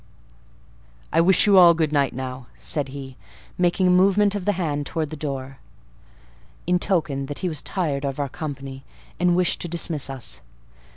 "I wish you all good night, now," said he, making a movement of the hand towards the door, in token that he was tired of our company, and wished to dismiss us.